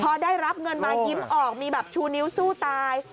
พอได้รับเงินมายิ้มออกมีแบบชูนิ้วสู้ตาย